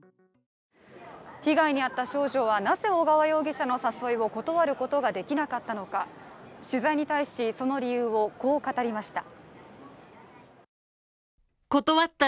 被害にあった少女はなぜ小川容疑者の誘いを断ることができなかったのか取材に対しその理由をこう語りました。